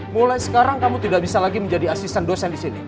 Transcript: mulai sekarang kamu tidak bisa lagi menjadi asisten dosen di sini